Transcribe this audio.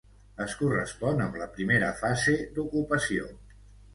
Es correspon amb la primera fase d'ocupació.